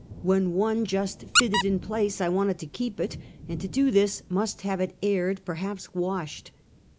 When one just fitted a place I wanted to keep it, and to do this, must have it aired, perhaps washed.